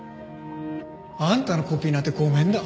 あんたのコピーなんてごめんだ。